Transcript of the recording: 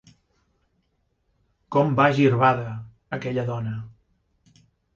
Com va girbada, aquella dona.